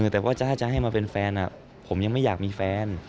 แต่ว่าถ้าจะให้มาเป็นแฟนผมยังไม่อยากมีแฟน